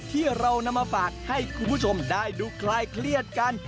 ที่เรานำมาฝากให้คุณผู้ชมได้ดูคลายเครียดกัน